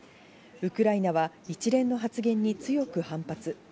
ウクライナは一連の発言に強く反発。